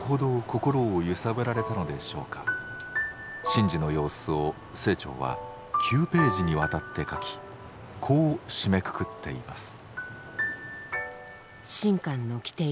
神事の様子を清張は９ページにわたって書きこう締めくくっています。